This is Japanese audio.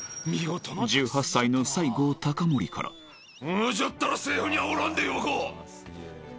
１８歳の西郷隆盛からじゃったら政府にはおらんでよか！